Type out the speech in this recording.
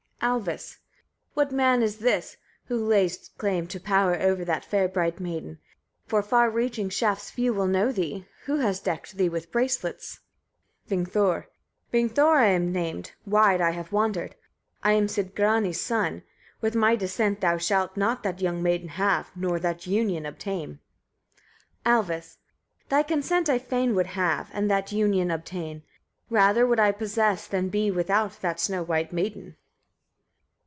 Alvis. 5. What man is this, who lays claim to power over that fair, bright maiden? For far reaching shafts few will know thee. Who has decked thee with bracelets? Vingthor. 6. Vingthor I am named, wide I have wandered; I am Sidgrani's son: with my dissent thou shalt not that young maiden have, nor that union obtain. Alvis. 7. Thy consent I fain would have, and that union obtain. Rather would I possess than be without that snow white maiden.